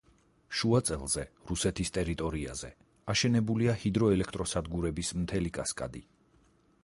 შუაწელზე, რუსეთის ტერიტორიაზე, აშენებულია ჰიდროელექტროსადგურების მთელი კასკადი.